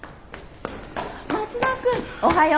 松田君おはよう。